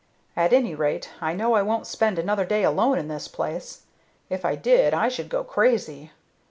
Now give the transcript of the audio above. At any rate, I know I won't spend another day alone in this place. If I did, I should go crazy.